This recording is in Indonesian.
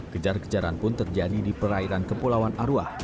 kejar kejaran pun terjadi di perairan kepulauan arwah